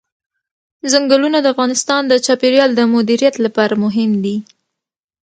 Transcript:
ځنګلونه د افغانستان د چاپیریال د مدیریت لپاره مهم دي.